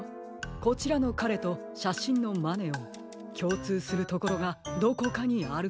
こちらのかれとしゃしんのマネオンきょうつうするところがどこかにあるはずです。